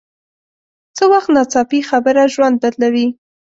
څه وخت ناڅاپي خبره ژوند بدلوي